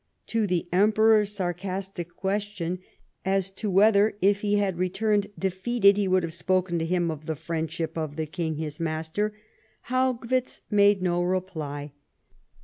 To the Emperor's sarcastic question as to whether, if he had returned defeated he would have spoken to him of the friendship of the King, his master, Haugwitz made no reply.